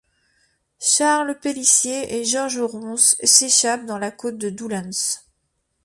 Charles Pélissier et Georges Ronsse s'échappent dans la côte de Doullens.